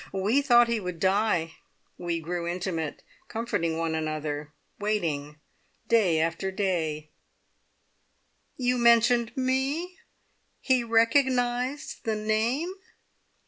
We thought he would die. We grew intimate, comforting one another, waiting day after day " "You mentioned me? He recognised the name?"